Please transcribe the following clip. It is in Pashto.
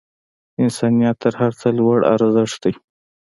انسانیت تر هر څه لوړ ارزښت دی.